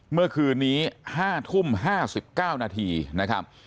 เมื่อคืนนี้๕ทุ่ม๕๙นาทีนะครับ